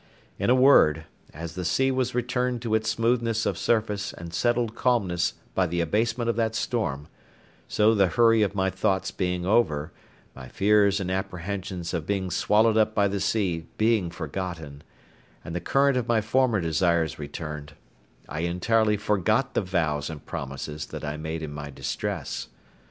In a word, as the sea was returned to its smoothness of surface and settled calmness by the abatement of that storm, so the hurry of my thoughts being over, my fears and apprehensions of being swallowed up by the sea being forgotten, and the current of my former desires returned, I entirely forgot the vows and promises that I made in my distress.